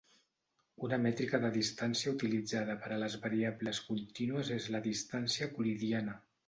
Una mètrica de distància utilitzada per a les variables contínues és la distància euclidiana.